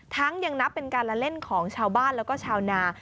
ยังนับเป็นการละเล่นของชาวบ้านแล้วก็ชาวนา